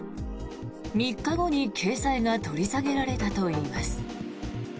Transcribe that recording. ３日後に掲載が取り下げられたといいます。